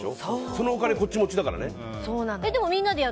そのお金、こっち持ちだからね。